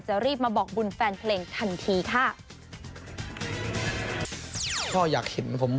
รีบมาบอกบุญแฟนเพลงทันทีค่ะ